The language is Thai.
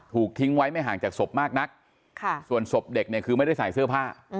ทิ้งไว้ไม่ห่างจากศพมากนักส่วนศพเด็กเนี่ยคือไม่ได้ใส่เสื้อผ้า